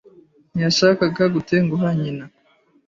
Ntiyashakaga gutenguha nyina.